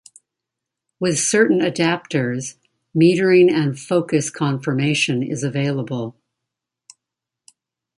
With certain adaptors, metering and focus confirmation is available.